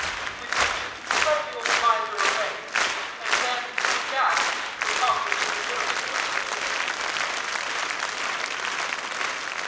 With which he led the old miser away, and then, coming back, the talk with the Missourian was resumed.